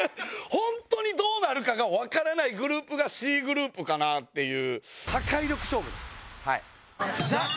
ホントにどうなるかが分からないグループがＣグループかなっていう。